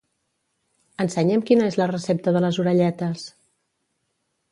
Ensenya'm quina és la recepta de les orelletes.